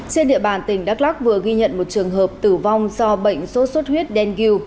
trên địa bàn tỉnh đắk lắc vừa ghi nhận một trường hợp tử vong do bệnh sốt xuất huyết del